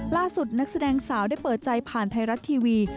นักแสดงสาวได้เปิดใจผ่านไทยรัฐทีวี